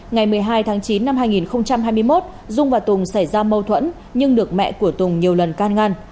ngày một mươi hai tháng chín năm hai nghìn hai mươi một dung và tùng xảy ra mâu thuẫn nhưng được mẹ của tùng nhiều lần can ngăn